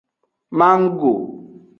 Manggo.